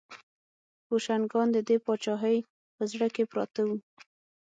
بوشنګان د دې پاچاهۍ په زړه کې پراته وو.